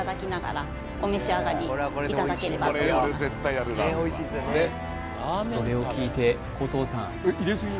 あのそれを聞いて古藤さん